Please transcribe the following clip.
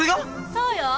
そうよ。